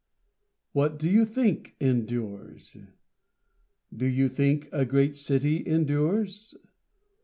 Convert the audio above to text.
What do you think endures? Do you think a great city endures?